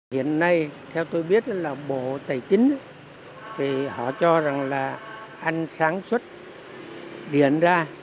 hiện nay theo tôi biết là bộ tài chính thì họ cho rằng là anh sản xuất điện ra